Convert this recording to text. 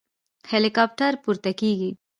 هليكاپټر پورته کېږي.